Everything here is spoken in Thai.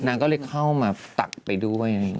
นางก็เลยเข้ามาตักไปด้วย